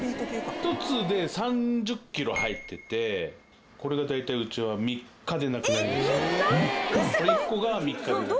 １つで３０キロ入っててこれが大体うちはこれ１個が３日でなくなる。